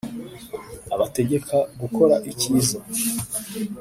abategeka gukora ikiza.